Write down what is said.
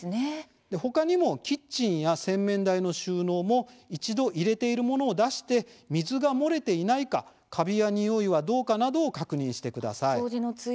他にもキッチンや洗面台の収納も一度入れている物を出して水が漏れていないかカビや、においはどうかなどを確認してください。